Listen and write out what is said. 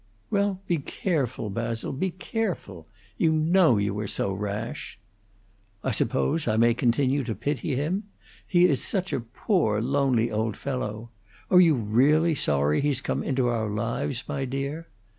"Well, be careful, Basil; be careful. You know you are so rash." "I suppose I may continue to pity him? He is such a poor, lonely old fellow. Are you really sorry he's come into our lives, my dear?"